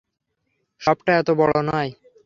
শপটা এত বড় নয়!